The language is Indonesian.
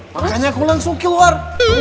makanya aku langsung keluar